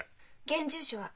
現住所は？